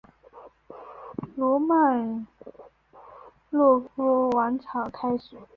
罗曼诺夫王朝开始。